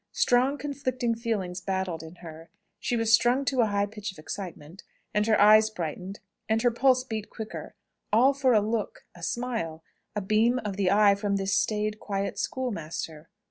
Strong conflicting feelings battled in her. She was strung to a high pitch of excitement; and her eyes brightened, and her pulse beat quicker all for a look, a smile, a beam of the eye from this staid, quiet schoolmaster!